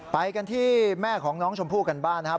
ไปกันที่แม่ของน้องชมพู่กันบ้างนะครับ